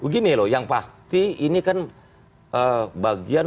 gini loh yang pasti ini kan